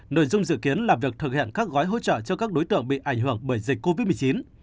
nội dung dự kiến là việc thực hiện các gói hỗ trợ cho các đối tượng bị ảnh hưởng bởi dịch covid một mươi chín